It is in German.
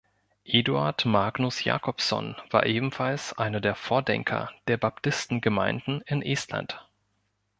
Eduard Magnus Jakobson war ebenfalls einer der Vordenker der Baptistengemeinden in Estland.